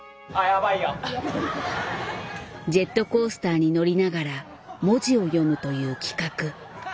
ジェットコースターに乗りながら文字を読むという企画。